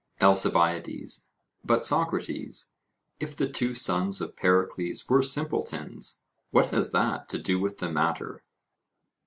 ALCIBIADES: But, Socrates, if the two sons of Pericles were simpletons, what has that to do with the matter?